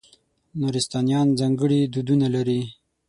نورستانیان ځانګړي دودونه لري.